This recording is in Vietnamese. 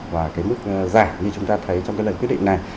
và cái mức giảm như chúng ta thấy trong cái lần quyết định này